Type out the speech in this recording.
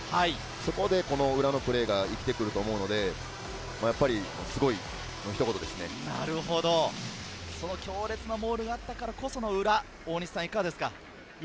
そこで裏のプレーが生きてくると思うので、やっぱりすごいのひと強烈なモールがあったからこその裏、いかがですか？